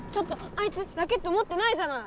あいつラケットもってないじゃない。